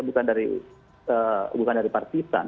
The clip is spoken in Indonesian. bukan dari partisan